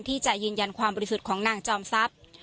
ที่จะยืนยันความบริสุทธิ์ของนางจอมทรัพย์